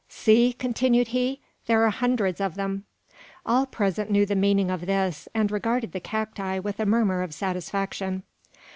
"See!" continued he, "there are hundreds of them!" All present knew the meaning of this, and regarded the cacti with a murmur of satisfaction.